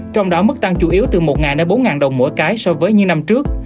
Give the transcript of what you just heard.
trong đó mức tăng chủ yếu từ một bốn đồng mỗi cái so với như năm trước